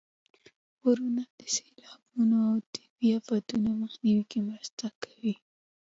غرونه د سیلابونو او طبیعي افتونو مخنیوي کې مرسته کوي.